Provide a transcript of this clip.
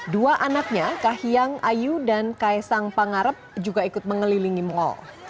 dua anaknya kahiyang ayu dan kaisang pangarep juga ikut mengelilingi mal